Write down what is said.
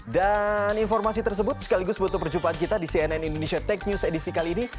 dan informasi tersebut sekaligus butuh perjumpaan kita di cnn indonesia tech news edisi kali ini